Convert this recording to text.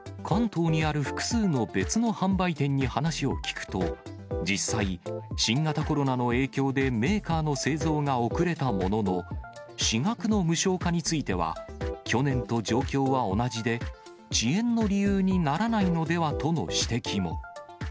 関東にある複数の別の販売店に話を聞くと、実際、新型コロナの影響で、メーカーの製造が遅れたものの、私学の無償化については、去年と状況は同じで、遅延の理由にならないのではないとの指摘も。